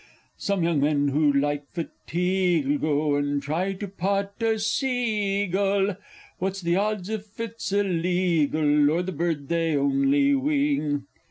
Some young men who like fatigue 'll go and try to pot a sea gull, What's the odds if it's illegal, or the bird they only wing?